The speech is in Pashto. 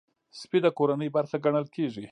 سپي د کورنۍ برخه ګڼل کېږي.